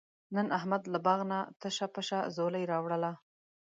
نن احمد له باغ نه تشه پشه ځولۍ راوړله.